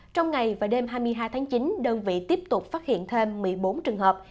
trong ngày và đêm hai mươi hai tháng chín đơn vị tiếp tục phát hiện thêm một mươi bốn trường hợp